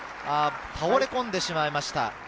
倒れ込んでしまいました。